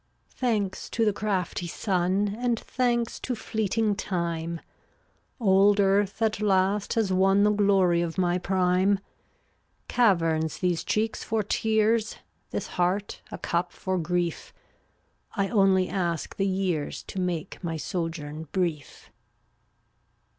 380 Thanks to the crafty Sun, And thanks to fleeting Time, Old earth at last has won The glory of my prime. Caverns these cheeks for tears, This heart a cup for grief; 1 only ask the years To make my sojourn brief.